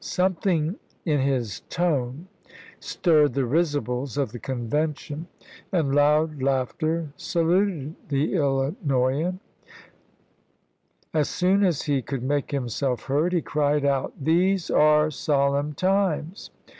Something in his tone stirred the risibles of the Convention, and loud laughter saluted the Illinoisan. As soon as he could make himself heard he cried out, " These are solemn times."